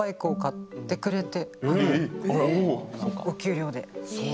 お給料で。